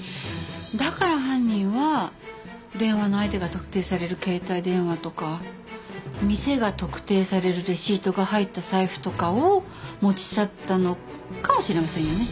だから犯人は電話の相手が特定される携帯電話とか店が特定されるレシートが入った財布とかを持ち去ったのかもしれませんよね。